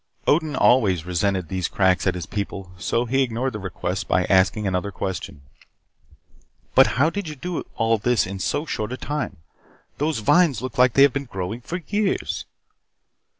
Odin always resented these cracks at his people so he ignored the request by asking another question. "But how did you do all this in so short a time? Those vines look like they have been growing for years."